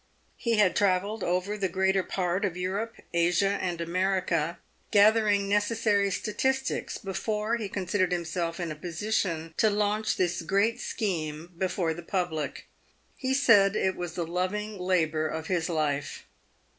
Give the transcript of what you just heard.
He had travelled over the greater part of Europe, Asia, and America, gathering necessary statistics before he considered him self in a position to launch this great scheme before the public. He said it was the loving labour of his life.